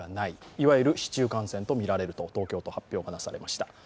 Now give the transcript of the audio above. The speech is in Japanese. いわゆる市中感染とみられるという東京都発表がなされました。